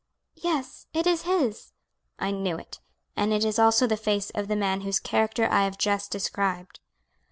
"Yes, it is his." "I knew it, and it is also the face of the man whose character I have just described."